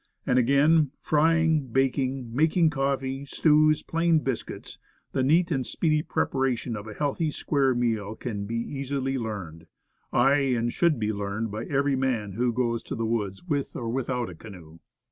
And again: "Frying, bak ing, making coffee, stews, plain biscuit, the neat and speedy preparation of a healthy 'square meal' can be easily learned." Aye, and should be learned by every man who goes to the woods with or without a canoe.